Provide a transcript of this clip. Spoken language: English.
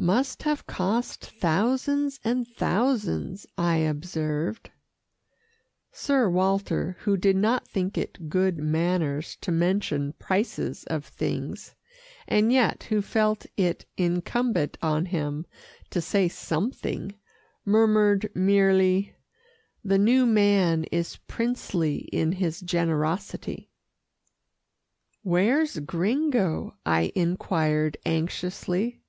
"Must have cost thousands and thousands," I observed. Sir Walter, who did not think it good manners to mention prices of things, and yet who felt it incumbent on him to say something, murmured merely, "The new man is princely in his generosity." "Where's Gringo?" I inquired anxiously.